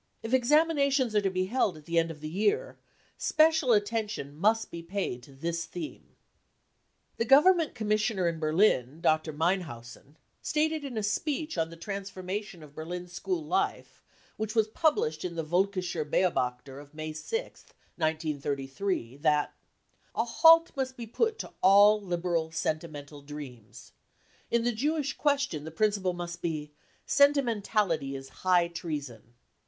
If examinations are held at m the end of the year, special attention must be paid to this theme." * l88 BROWN BOOK OF THE HITLER TERROR The Government commissioner in Berlin, Dr. Mein shausen, stated in a speech on the transformation of Berlin school life, which was published in the Vdlkischer Beobachter of May 6th, 1933, t ^ iat :" A halt must be put to all liberal sentimental dreams. ... In the Jewish question the principle must be : c Sentimentality is high treason.